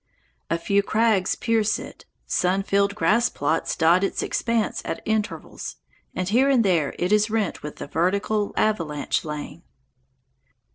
A few crags pierce it, sun filled grass plots dot its expanse at intervals, and here and there it is rent with a vertical avalanche lane.